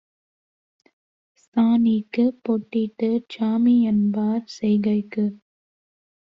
சாணிக்குப் பொட்டிட்டுச் சாமிஎன்பார் செய்கைக்கு